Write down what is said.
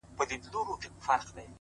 خدای به د وطن له مخه ژر ورک کړي دا شر’